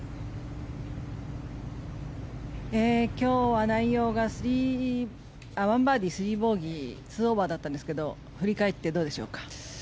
今日は内容が１バーディー、３ボギー２オーバーだったんですけど振り返ってどうでしょうか。